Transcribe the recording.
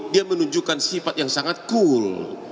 dia menunjukkan sifat yang sangat cool